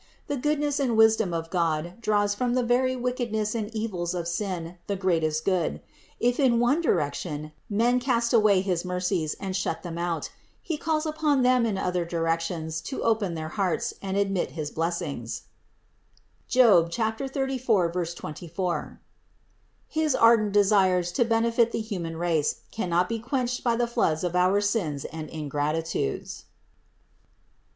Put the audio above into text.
The goodness and wisdom of God draws from the very wickedness and evils of sin the greatest good. If in one direction men cast away his mercies and shut them out, He Calls upon them in other directions to open their hearts and admit his blessings (Job 34, 24). His ardent desires to benefit the human race cannot be quenched by the floods of our sins and ingratitudes.